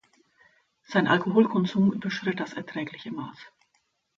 Sein Alkohol-Konsum überschritt das erträgliche Maß.